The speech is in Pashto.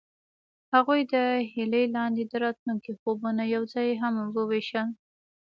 هغوی د هیلې لاندې د راتلونکي خوبونه یوځای هم وویشل.